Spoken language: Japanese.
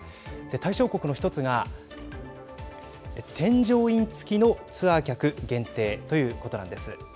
対象国の１つが添乗員付きのツアー客限定ということなんです。